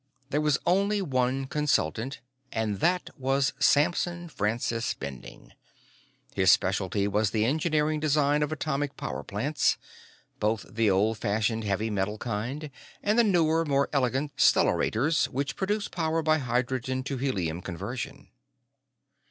There was only one consultant, and that was Samson Francis Bending. His speciality was the engineering design of atomic power plants both the old fashioned heavy metal kind and the newer, more elegant, stellarators, which produced power by hydrogen to helium conversion.